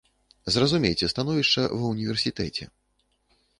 Зразумейце становішча ва ўніверсітэце.